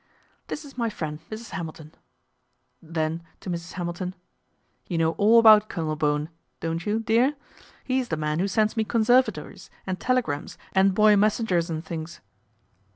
' This is my friend, Mrs. Hamilton." Then to Mrs. Hamilton. ' You know all about Colonel Bowen, don't you, dear ? He's the man who sends me conservatories and telegrams and boy messengers and things."